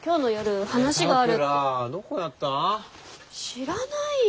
知らないよ。